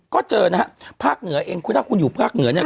ก็เจอนะฮะภาคเหนือเองคุณถ้าคุณอยู่ภาคเหนือเนี่ย